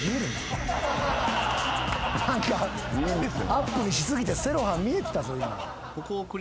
アップにし過ぎてセロハン見えてたぞ今。